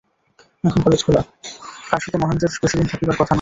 এখন কালেজ খোলা, কাশীতে মহেন্দ্রের বেশি দিন থাকিবার কথা নয়।